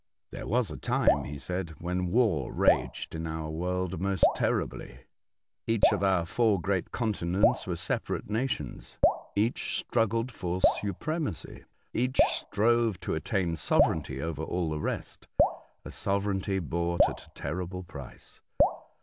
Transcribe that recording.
" There was a time," he said, "when war raged in our world most terribly. Each of our four great continents were separate nations. Each struggled for supremacy. Each strove 118 A Voyage to Other Worlds. to obtain sovereignty over all the rest — a sovereignty bought at a terrible price.